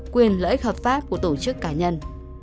quyền lợi ích hợp pháp của tổ chức cá nhân